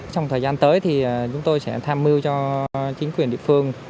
trong thời gian tới thì chúng tôi sẽ tham mưu cho chính quyền địa phương